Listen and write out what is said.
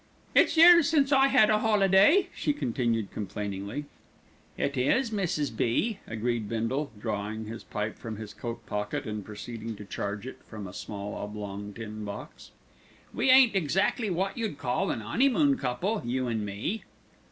"It's years since I had a holiday," she continued complainingly. "It is, Mrs. B.," agreed Bindle, drawing his pipe from his coat pocket and proceeding to charge it from a small oblong tin box. "We ain't exactly wot you'd call an 'oneymoon couple, you an' me."